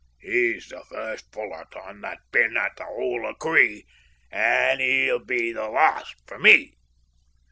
He's the first Fullarton that's been at the Hole o' Cree, and he'll be the last for me.